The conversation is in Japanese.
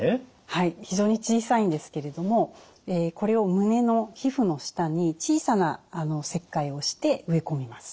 はい非常に小さいんですけれどもこれを胸の皮膚の下に小さな切開をして植え込みます。